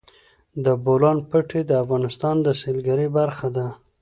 د بولان پټي د افغانستان د سیلګرۍ برخه ده.